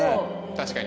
確かに。